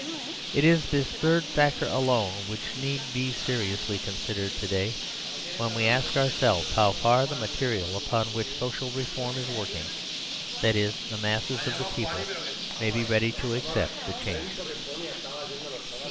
It is this third factor alone which need be seriously con sidered to day, when we ask ourselves how far the material upon which social reform is working, that is, the masses of the people, may be ready to accept the change.